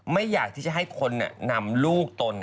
ไม่อยากที่จะให้คนนำลูกตน